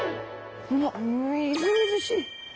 あっみずみずしい。